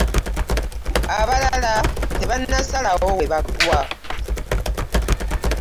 Abalala tebannasalawo we bagwa.